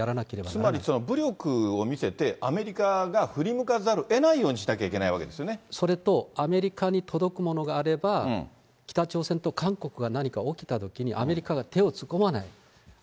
つまり武力を見せて、アメリカが振り向かざるをえないようにしなきゃいけないわけですそれと、アメリカに届くものがあれば、北朝鮮と韓国が何か起きたときに、アメリカが手を突っ込まない。